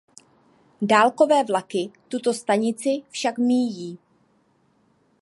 Dálkové vlaky tuto stanici však míjí.